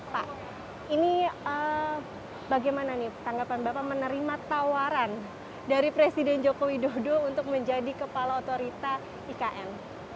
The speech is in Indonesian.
pak ini bagaimana nih tanggapan bapak menerima tawaran dari presiden joko widodo untuk menjadi kepala otorita ikn